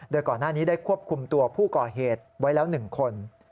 โดยก่อนหน้านี้ได้ควบคุมตัวผู้ก่อเหตุไว้แล้ว๑คน